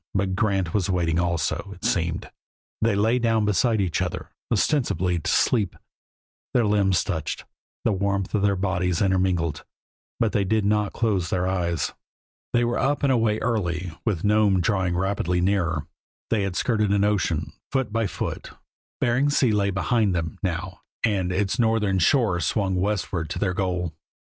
But Grant was waiting also, it seemed. They lay down beside each other, ostensibly to sleep; their limbs touched; the warmth from their bodies intermingled, but they did not close their eyes. They were up and away early, with Nome drawing rapidly nearer. They had skirted an ocean, foot by foot; Bering Sea lay behind them, now, and its northern shore swung westward to their goal.